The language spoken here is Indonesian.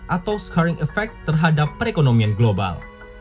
atau scaring effect terhadap perekonomian global